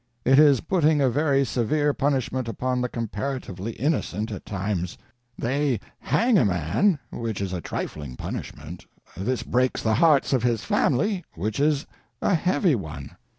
It is putting a very severe punishment upon the comparatively innocent at times. They hang a man—which is a trifling punishment; this breaks the hearts of his family—which is a heavy one.